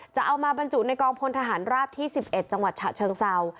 จะเอามาบรรจุในกองพลทหารราบที่๑๑จังหวัดฉะเชิงเศร้า